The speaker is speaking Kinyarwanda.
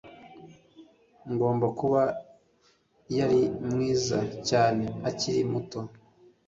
Agomba kuba yari mwiza cyane akiri muto